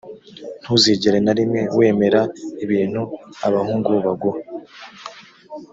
ntuzigere na rimwe wemera ibintu abahungu baguha